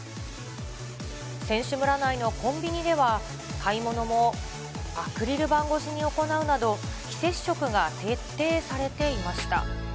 選手村内のコンビニでは買い物もアクリル板越しに行うなど、非接触が徹底されていました。